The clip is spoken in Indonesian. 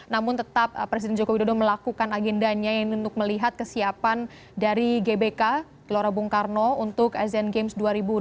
namun tetap presiden joko widodo melakukan agendanya ini untuk melihat kesiapan dari gbk gelora bung karno untuk asean games dua ribu delapan belas